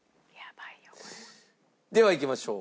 ではいきましょう。